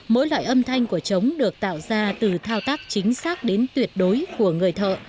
mỗi loại âm thanh của trống được tạo ra từ thao tác chính xác đến tuyệt đối của người thợ